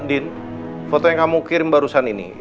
din foto yang kamu kirim barusan ini